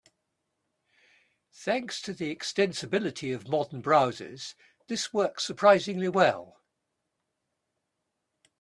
Thanks to the extensibility of modern browsers, this works surprisingly well.